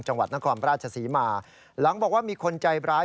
จังหวัดนครราชศรีมาหลังบอกว่ามีคนใจร้าย